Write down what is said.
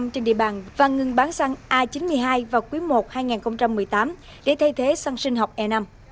trên địa bàn và ngừng bán xăng a chín mươi hai vào quý i hai nghìn một mươi tám để thay thế xăng sinh học e năm